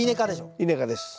イネ科です。